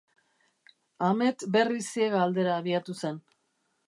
Ahmet berriz ziega aldera abiatu zen.